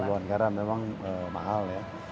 dua ribu tiga puluh an karena memang mahal ya